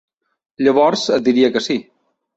Llavors et diria que sí.